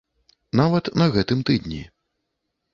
Нават на гэтым тыдні.